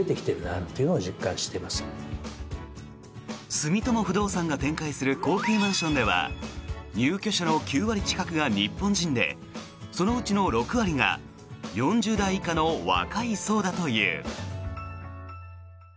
住友不動産が展開する高級マンションでは入居者の９割近くが日本人でそのうちの６割が４０代以下の若い層だという。